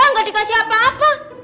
eh gak dikasih apa apa